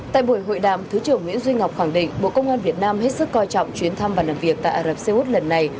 tại buổi hội đàm thứ trưởng nguyễn duy ngọc khẳng định bộ công an việt nam hết sức coi trọng chuyến thăm và làm việc tại ả rập xê út lần này